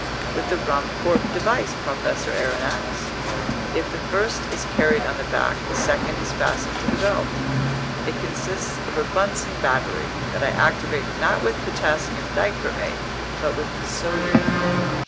"With the Ruhmkorff device, Professor Aronnax. If the first is carried on the back, the second is fastened to the belt. It consists of a Bunsen battery that I activate not with potassium dichromate but with sodium.